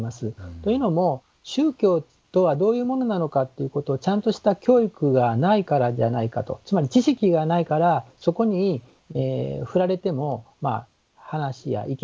というのも宗教とはどういうものなのかということをちゃんとした教育がないからじゃないかとつまり知識がないからそこに振られてもまあ話や意見ができない。